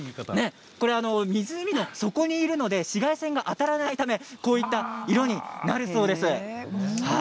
これは湖の底にいるので紫外線が当たらないためこういった色になるそうなんです。